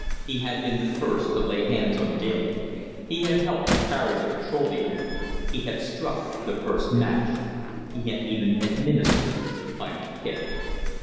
He had been the first to lay hands on Daly; he had helped to carry the petroleum; he had struck the first match; he had even administered the final kick.